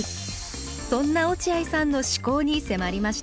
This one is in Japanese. そんな落合さんの思考に迫りました